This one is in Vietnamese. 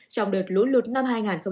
trong đợt lũ lụt năm hai nghìn hai mươi